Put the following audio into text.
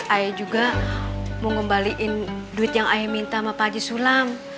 ayah juga mau ngembalikan duit yang ayah minta sama pak haji sulam